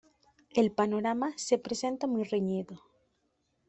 El panorama se presenta muy reñido.